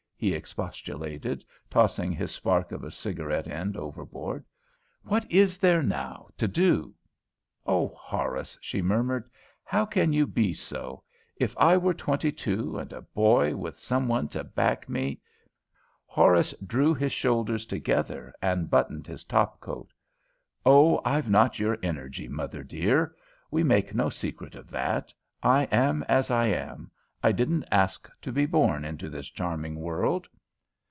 he expostulated, tossing his spark of a cigarette end overboard. "What is there, now, to do?" "Oh, Horace!" she murmured, "how can you be so? If I were twenty two, and a boy, with some one to back me " Horace drew his shoulders together and buttoned his top coat. "Oh, I've not your energy, Mother dear. We make no secret of that. I am as I am. I didn't ask to be born into this charming world."